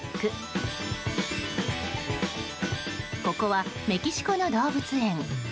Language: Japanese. ここはメキシコの動物園。